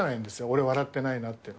俺、笑ってないなって。